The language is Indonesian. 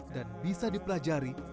dan bisa dipelajari